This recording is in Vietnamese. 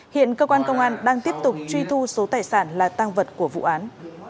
hiện cơ quan công an đang tiếp tục truy thu số tài sản là tăng vật của vụ án